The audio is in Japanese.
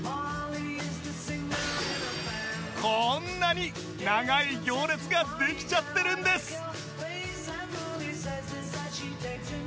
こんなに長い行列ができちゃってるんです！